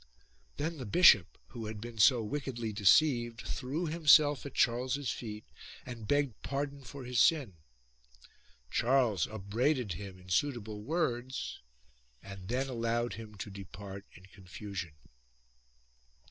Then the bishop, who had been so wickedly deceived, threw himself at Charles's feet and begged pardon for his sin. Charles upbraided him in suitable words and then allowed him to depart in confusion.